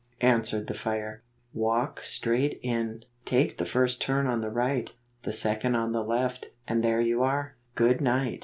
answered the fire. "Walk straight in, take the first turn on the right, the second on the left, and there you are. Good night."